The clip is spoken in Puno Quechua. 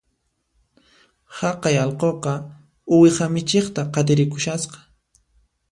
Haqay allquqa uwiha michiqta qatirikushasqa